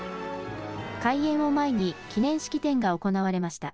開園を前に記念式典が行われました。